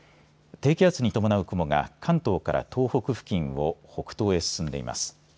低気圧に伴う雲が関東から東北付近を北東へ進んでいます。